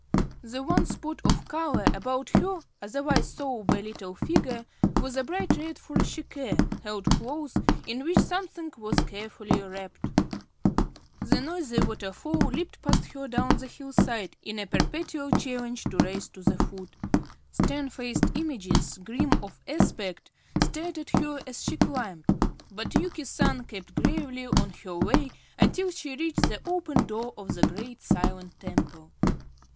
The one spot of color about her otherwise sober little figure was a bright red furoshike held close, in which something was carefully wrapped. A noisy waterfall leaped past her down the hillside in a perpetual challenge to race to the foot. Stern faced images, grim of aspect, stared at her as she climbed, but Yuki San kept gravely on her way until she reached the open door of the great silent temple.